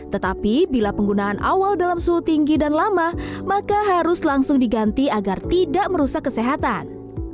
tetapi bila penggunaan awal dalam suhu tinggi dan lama maka harus langsung diganti agar tidak merusak kesehatan